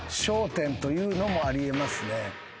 １０というのもあり得ますね。